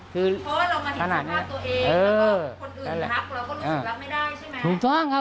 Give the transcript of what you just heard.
เพราะว่าเรามาเห็นสภาพตัวเองแล้วก็คนอื่นทักเราก็รู้สึกรับไม่ได้ใช่ไหม